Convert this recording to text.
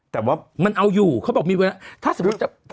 แต่ว่ามันเอาอยู่เขาบอกถ้าสมมุติจะพูดจริง